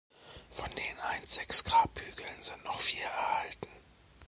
Von den einst sechs Grabhügeln sind noch vier erhalten.